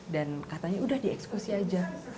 dan katanya udah dieksekusi aja